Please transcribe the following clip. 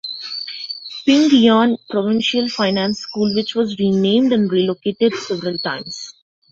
PingYuan Provincial Finance School, which was renamed and relocated several times.